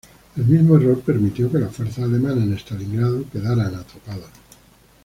El mismo error permitió que las fuerzas alemanas en Stalingrado quedaran atrapadas.